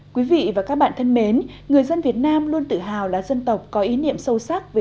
quý vị và các bạn thân mến người dân việt nam luôn tự hào là dân tộc có ý niệm sâu sắc về